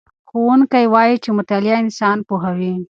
ښوونکی وایي چې مطالعه انسان پوهوي.